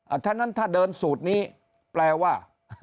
ถ้านั้นถ้าเดินสูตรนี้แปลว่า